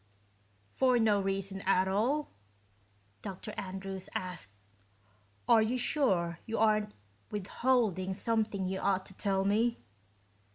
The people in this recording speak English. "For no reason at all?" Dr. Andrews asked. "Are you sure you aren't withholding something you ought to tell me?"